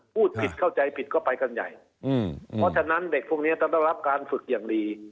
พูดผิดเข้าใจผิดก็ไปกันใหญ่เพราะฉะนั้นเด็กพวกนี้ต้องได้รับการฝึกอย่างดี